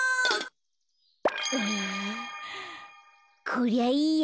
こりゃいいや。